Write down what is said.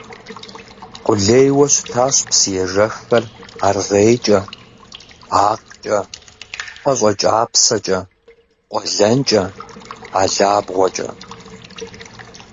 Къулейуэ щытащ псыежэххэр аргъейкӀэ, акъкӀэ, пащӀэкӀапсэкӀэ, къуэлэнкӀэ, алабгъуэкӀэ.